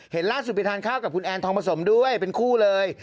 เห็นล่าสุดไปทานข้าวกับคุณแอนทองผสมด้วยเป็นคู่เลย